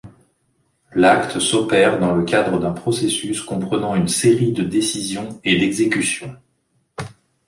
L'acte s'opère dans le cadre d'un processus comprenant une série de décisions et d'exécution.